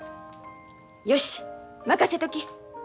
よし任せとき。